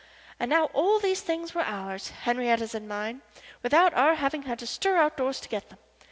And now all these things were ours Henriette's and mine without our having had to stir out of doors to get them.